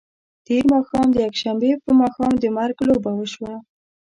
تېر ماښام د یکشنبې په ماښام د مرګ لوبه وشوه.